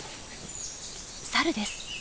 サルです。